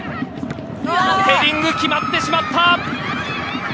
ヘディング、決まってしまった。